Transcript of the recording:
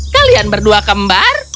kalian berdua kembar